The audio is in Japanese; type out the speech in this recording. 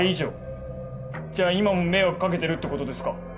じゃあ今も迷惑かけてるって事ですか？